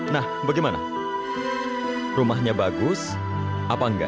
nah bagaimana rumahnya bagus apa enggak